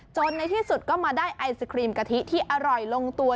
ในที่สุดก็มาได้ไอศครีมกะทิที่อร่อยลงตัว